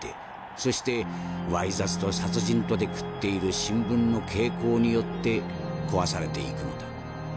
そして猥雑と殺人とで食っている新聞の傾向によって壊されていくのだ。